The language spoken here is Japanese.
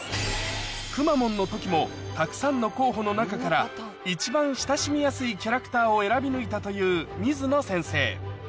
くまモンの時もたくさんの候補の中から一番親しみやすいキャラクターを選び抜いたという水野先生